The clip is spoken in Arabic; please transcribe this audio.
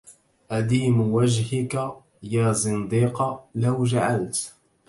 أديم وجهك يا زنديق لو جعلت